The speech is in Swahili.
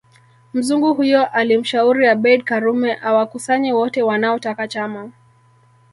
Mzungu huyo alimshauri Abeid Karume awakusanye wote wanaotaka chama